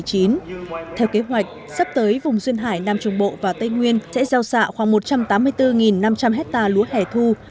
theo kế hoạch sắp tới vùng duyên hải nam trung bộ và tây nguyên sẽ gieo xạ khoảng một trăm tám mươi bốn năm trăm linh hectare lúa hẻ thu